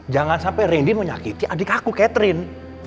jangan sampai randy menyakiti adik aku catherine